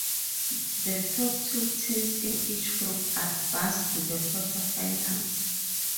The top two teams in each group advanced to the quarter-finals.